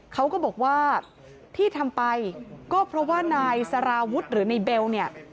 เขาก็บอกว่าที่ทำไปก็เพราะว่านายสารวุฒิหรือในเบลเนี่ย